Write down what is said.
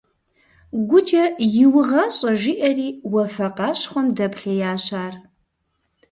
ГукӀэ «иугъащӀэ» жиӀэри уафэ къащхъуэм дэплъеящ ар.